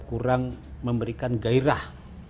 kurang memberikan gairah